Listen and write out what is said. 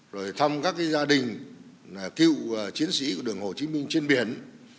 rồi thăm các gia đình cựu chiến sĩ của đường hồ chí minh trên biển